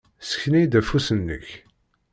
Ssken-iyi-d afus-nnek.